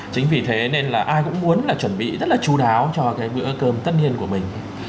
chính vì thế nên là ai cũng muốn là chuẩn bị rất là chú đáo cho cái bữa cơm tất nhiên của mình